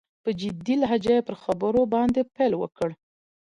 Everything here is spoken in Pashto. په جدي لهجه يې په خبرو باندې پيل وکړ.